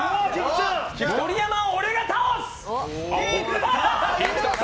盛山は俺が倒す！